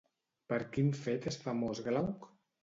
Per quin fet és famós Glauc?